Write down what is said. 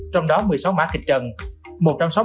trong đó một mươi sáu mã kịch trần